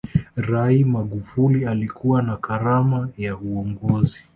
rai magufuli alikuwa na karama ya uongozi